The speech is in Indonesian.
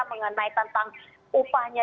mengenai tentang upahnya